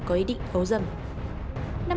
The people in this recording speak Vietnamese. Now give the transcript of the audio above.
có ý định ấu dâm